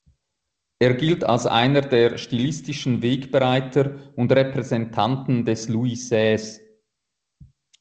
Er gilt als einer der stilistischen Wegbereiter und Repräsentanten des Louis-seize.